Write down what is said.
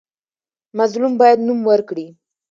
مظلوم باید نوم ورکړي.